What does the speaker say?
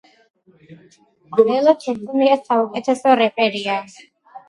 ლელა წურწუმია საუკეთესო რეპერია